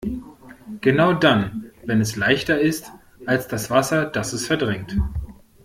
Genau dann, wenn es leichter ist als das Wasser, das es verdrängt.